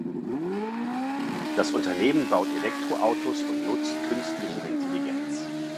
Das Unternehmen baut Elektroautos und nutzt künstliche Intelligenz.